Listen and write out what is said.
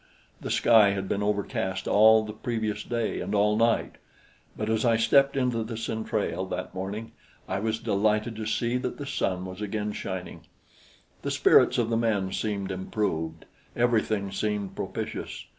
The sky had been overcast all the previous day and all night; but as I stepped into the centrale that morning I was delighted to see that the sun was again shining. The spirits of the men seemed improved; everything seemed propitious.